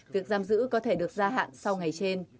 việc giam giữ có thể được gia hạn sau ngày trên